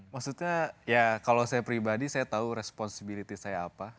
maksudnya ya kalau saya pribadi saya tahu responsibility saya apa